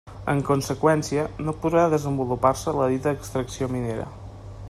En conseqüència, no podrà desenvolupar-se la dita extracció minera.